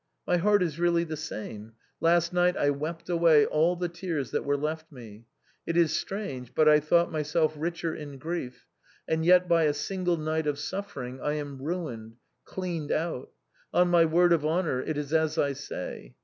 My heart is really the same, last night I wept away all the tears that were left me. It is strange, but I thought myself rich er in grief, and yet by a single night of suffering I am ruined, cleaned out. On my word of honor it is as I say.